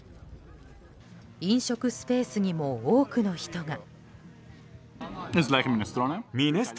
飲食スペースにも多くの人が。